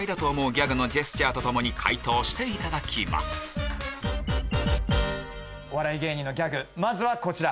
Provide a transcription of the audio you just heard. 続いての授業はお笑い芸人のギャグまずはこちら。